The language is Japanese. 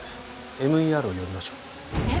ＭＥＲを呼びましょうえっ？